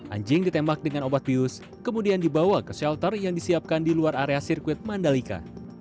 anjing ditembak dengan obat bius kemudian dibawa ke shelter yang disiapkan di luar area sirkuit mandalika